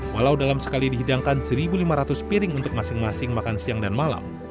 walau dalam sekali dihidangkan satu lima ratus piring untuk masing masing makan siang dan malam